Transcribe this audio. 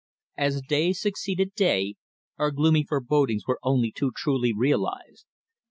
As day succeeded day our gloomy forebodings were only too truly realized.